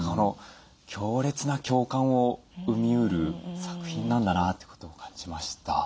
強烈な共感を生みうる作品なんだなってことを感じました。